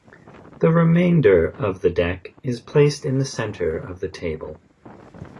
The remainder of the deck is placed in the centre of the table.